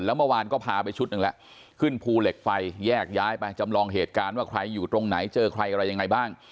แล้วเมื่อวานก็พาไปชุดหนึ่งแล้วขึ้นภูเหล็กไฟแยกย้ายไปจำลองเหตุการณ์ว่าใครอยู่ตรงไหนเจอใครอะไรยังไงบ้าง